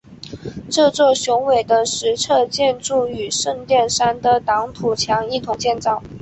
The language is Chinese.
这座宏伟的石砌建筑与圣殿山的挡土墙一同建造。